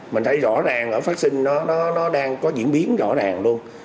mình thấy rõ ràng là phát sinh nó đang có diễn biến rõ ràng luôn